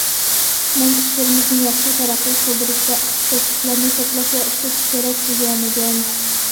مەن ئىشلىرىمىزنى ياخشى تەرەققىي قىلدۇرۇشتا، ئىختىساسلىقلارنى توپلاش ۋە ئىشلىتىش كېرەك، دېگەنىدىم.